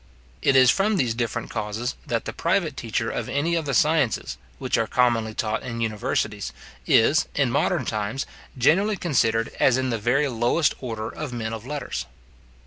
It is from these different causes that the private teacher of any of the sciences, which are commonly taught in universities, is, in modern times, generally considered as in the very lowest order of men of letters.